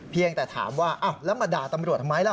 เพียงแต่ถามว่าอ้าวแล้วมาด่าตำรวจทำไมล่ะ